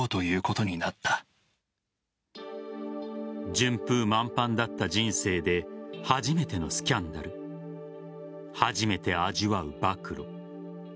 順風満帆だった人生で初めてのスキャンダル初めて味わう暴露。